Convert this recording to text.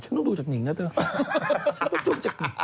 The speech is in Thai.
ฉันต้องดูจากนิ่งนะเถอะ